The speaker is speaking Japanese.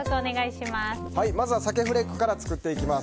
まずは鮭フレークから作っていきます。